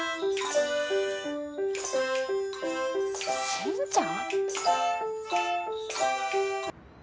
進ちゃん！？